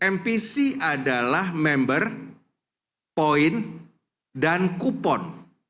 mpc adalah member point dan kupon